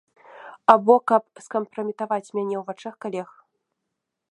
Або каб скампраметаваць мяне ў вачах калег.